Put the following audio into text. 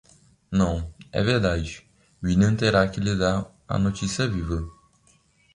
Não, é verdade, William terá que lhe dar a notícia viva.